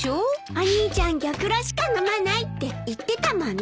お兄ちゃん玉露しか飲まないって言ってたもんね。